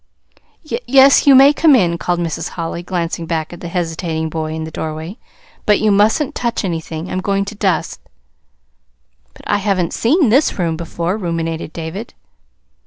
"Y yes, you may come in," called Mrs. Holly, glancing back at the hesitating boy in the doorway. "But you mustn't touch anything. I'm going to dust." "But I haven't seen this room before," ruminated David.